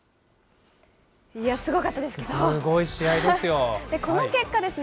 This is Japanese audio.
いや、すごかったですね。